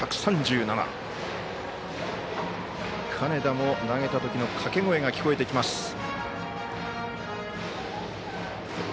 金田、投げたときの掛け声が聞こえてきます。